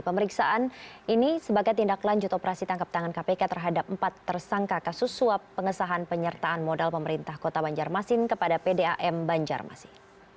pemeriksaan ini sebagai tindak lanjut operasi tangkap tangan kpk terhadap empat tersangka kasus suap pengesahan penyertaan modal pemerintah kota banjarmasin kepada pdam banjarmasin